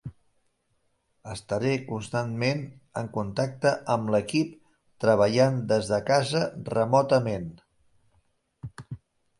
Estaré constantment en contacte amb l'equip treballant des de casa remotament.